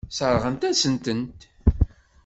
Sseṛɣent-asen-tent.